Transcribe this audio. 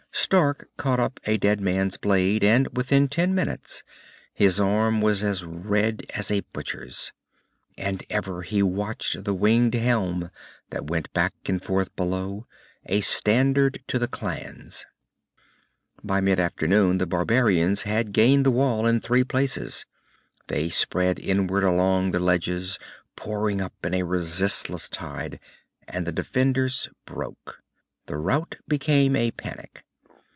Stark caught up a dead man's blade, and within ten minutes his arm was as red as a butcher's. And ever he watched the winged helm that went back and forth below, a standard to the clans. By mid afternoon the barbarians had gained the Wall in three places. They spread inward along the ledges, pouring up in a resistless tide, and the defenders broke. The rout became a panic.